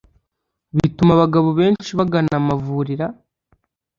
bituma abagabo benshi bagana amavurira